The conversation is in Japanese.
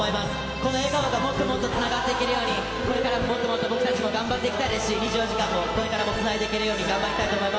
この笑顔がもっともっとつながっていけるように、これからももっともっと僕たちも頑張っていきたいですし、２４時間もこれからもつないでいけるように、頑張りたいと思い